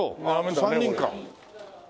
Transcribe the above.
３人か。